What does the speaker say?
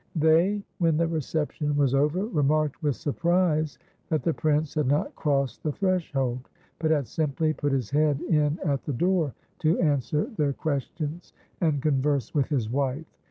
They, when the reception was over, remarked with surprise that the prince had not crossed the threshold, but had simply put his head in at the door to answer their questions and converse with his wife.